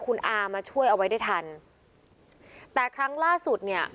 คุณอามาช่วยเอาไว้ได้ทันแต่ครั้งล่าสุดเนี่ย